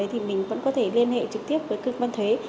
thì mình vẫn có thể liên hệ trực tiếp với cơ quan thuế